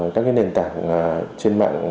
các cái nền tảng trên mạng